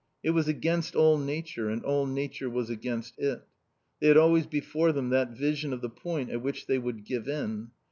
It was against all nature and all nature was against it. They had always before them that vision of the point at which they would give in.